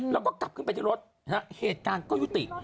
แล้วก็กลับขึ้นไปที่รถเหตุการณ์ก็ยุติ